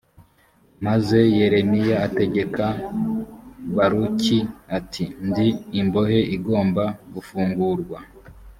maze yeremiya ategeka baruki ati’’ndi imbohe igomba gufungurwa.”